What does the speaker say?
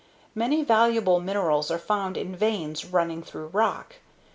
Many valuable minerals are found in veins running through rock.